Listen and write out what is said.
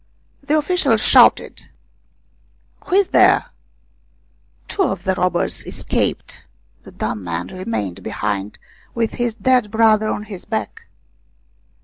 The official shouted :" Who is there ?" Two of the robbers escaped. The dumb man remained behind with his dead brother on his back.